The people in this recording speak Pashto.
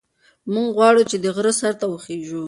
موږ غواړو چې د غره سر ته وخېژو.